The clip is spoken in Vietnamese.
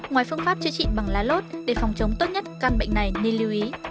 ngoài phương pháp chữa trị bằng lá lốt để phòng chống tốt nhất căn bệnh này nên lưu ý